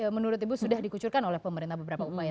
menurut ibu sudah dikucurkan oleh pemerintah beberapa upaya